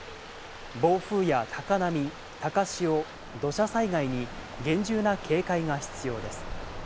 暴風や高波、高潮、土砂災害に厳重な警戒が必要です。